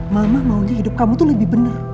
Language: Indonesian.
mama maunya hidup kamu tuh lebih benar